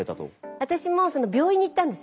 私も病院に行ったんですよ。